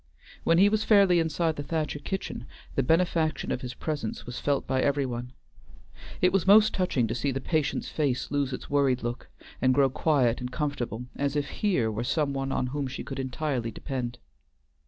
When he was fairly inside the Thacher kitchen, the benefaction of his presence was felt by every one. It was most touching to see the patient's face lose its worried look, and grow quiet and comfortable as if here were some one on whom she could entirely depend.